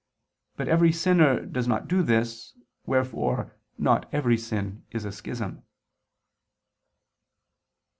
But every sinner does not do this, wherefore not every sin is a schism.